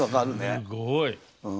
すごい。